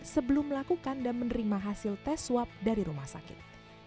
sebelum melakukan dan menerima hasil tes swab dari rumah sakit